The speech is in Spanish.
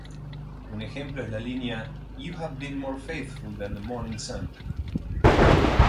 Un ejemplo es la línea, "You have been more faithful than the morning sun".